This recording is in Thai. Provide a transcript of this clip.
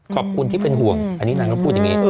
ขอบคุณที่เป็นห่วงอันนี้นางก็พูดอย่างนี้